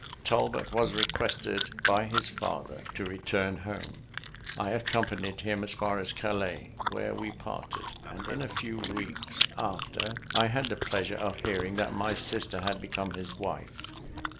Talbot was requested by his father to return home. I accompanied him as far as Calais, where we parted; and in a few weeks after, I had the pleasure of hearing that my sister had become his wife.